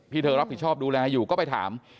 เธอรับผิดชอบดูแลอยู่ก็ไปถาม